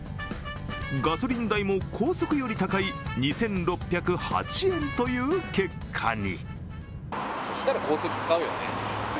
ガソリン代も高速より高い２６０８円という結果に。